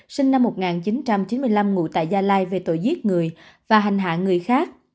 sinh năm một nghìn chín trăm chín mươi năm ngụ tại gia lai về tội giết người và hành hạ người khác